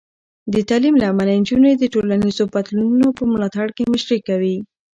د تعلیم له امله، نجونې د ټولنیزو بدلونونو په ملاتړ کې مشري کوي.